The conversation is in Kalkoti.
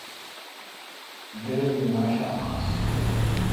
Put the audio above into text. دیر نیمشام آس۔